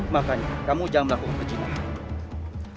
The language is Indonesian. makanya kamu jangan melakukan begini